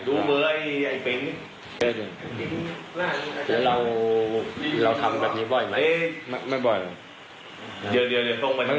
เราทำแบบนี้บ่อยไหมไม่บ่อย